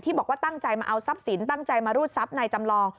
บอกว่าตั้งใจมาเอาทรัพย์สินตั้งใจมารูดทรัพย์นายจำลอง